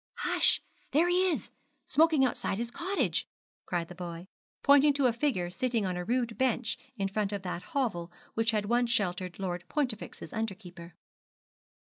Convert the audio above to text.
'Hush, there he is, smoking outside his cottage,' cried the boy, pointing to a figure sitting on a rude bench in front of that hovel which had once sheltered Lord Pontifex's under keeper.